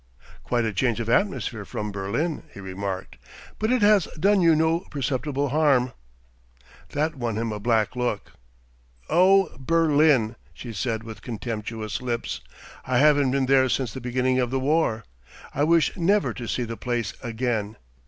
"Quite a change of atmosphere from Berlin," he remarked. "But it has done you no perceptible harm." That won him a black look. "Oh, Berlin!" she said with contemptuous lips. "I haven't been there since the beginning of the war. I wish never to see the place again.